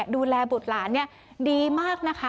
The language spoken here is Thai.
ดูแลบุตรหลานดีมากนะคะ